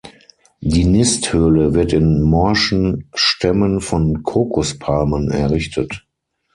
Die Nisthöhle wird in morschen Stämmen von Kokospalmen errichtet.